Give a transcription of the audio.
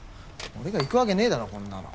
俺が行くわけねえだろこんなの。